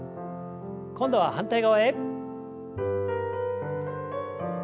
今度は反対側へ。